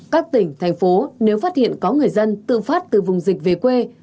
các tỉnh thành phố nếu phát hiện có người dân tự phát từ vùng dịch về quê